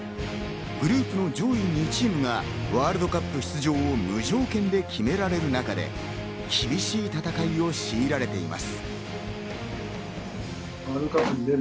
グループの上位２チームがワールドカップ出場を無条件で決められる中で、厳しい戦いをしいられています。